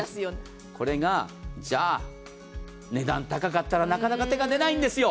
これが値段高かったらなかなか手が出ないんですよ。